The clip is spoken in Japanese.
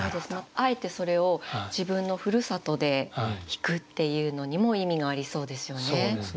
あえてそれを自分のふるさとで弾くっていうのにも意味がありそうですよね。